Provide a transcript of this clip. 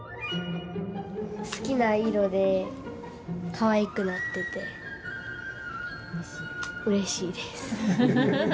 好きな色でかわいくなっててうれしいです。